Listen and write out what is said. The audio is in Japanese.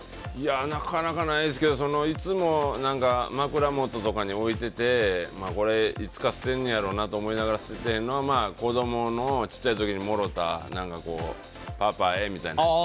なかなか、ないですけどいつも枕元とかに置いててこれ、いつか捨てんやろなと思いながら捨ててないのは子供の小さい時にもらったパパへみたいなやつ。